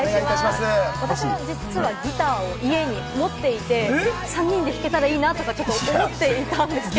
私も実はギターを家に持っていて、３人で弾けたらいいなとか思っていたんですけど。